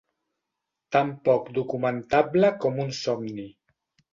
Tan poc documentable com un somni.